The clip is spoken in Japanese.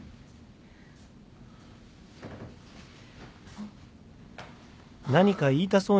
あっ。